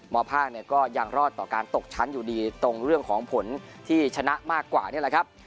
ภาคเนี่ยก็ยังรอดต่อการตกชั้นอยู่ดีตรงเรื่องของผลที่ชนะมากกว่านี่แหละครับ